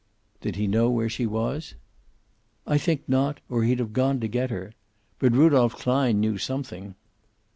"Did he know where she was?" "I think not, or he'd have gone to get her. But Rudolph Klein knew something.